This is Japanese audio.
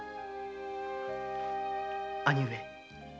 兄上。